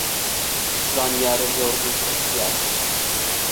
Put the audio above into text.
زانیار زۆر دڵخۆش دیار نەبوو.